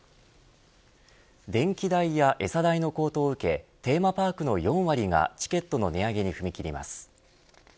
電気代や餌代の高騰を受けテーマパークの４割がチケットの値上げに踏み切ります。